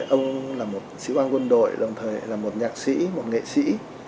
ông là một sĩ quan quân đội đồng thời là một nhạc sĩ một nghệ sĩ